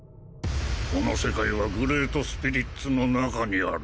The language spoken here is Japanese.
この世界はグレートスピリッツの中にある。